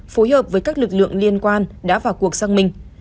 phối hợp với các lực lượng liên quan đã vào cuộc xác minh